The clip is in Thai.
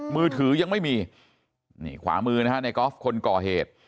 มือถือยังไม่มีนี่ขวามือนะฮะในกอล์ฟคนก่อเหตุ